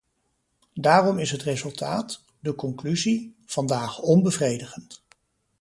Daarom is het resultaat, de conclusie, vandaag onbevredigend.